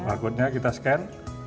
markutnya kita scan